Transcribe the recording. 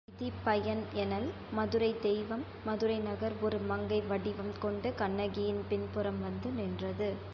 விதிப்பயன் எனல் மதுரைத் தெய்வம் மதுரை நகர் ஒரு மங்கை வடிவம் கொண்டு கண்ணகியின் பின்புறம் வந்து நின்றது.